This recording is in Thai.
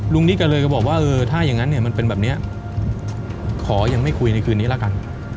นิดก็เลยก็บอกว่าเออถ้าอย่างนั้นเนี่ยมันเป็นแบบนี้ขอยังไม่คุยในคืนนี้ละกัน